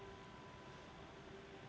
sejauh yang saya tahu